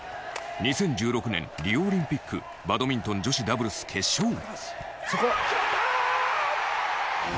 ２０１６年、リオオリンピックバドミントン女子ダブルス決勝。